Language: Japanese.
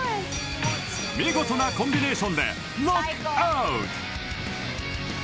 見事なコンビネーションでノックアウト！